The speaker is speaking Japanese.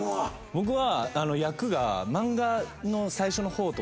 僕は。